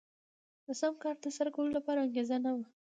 د سم کار د ترسره کولو لپاره انګېزه نه وه.